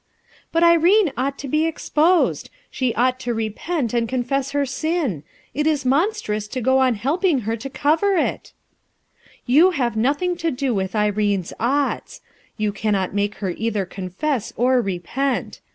"But Irene ought to be exposed; she ought to repent, and confess her sin; it 13 monstrous to go on helping her to cover itl" "You have nothing to do with Irene'*! 'oughts.' You cannot make her either con fess or repent.